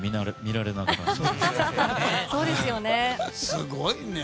すごいね。